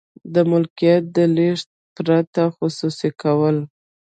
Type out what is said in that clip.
د ملکیت د لیږد پرته خصوصي کول.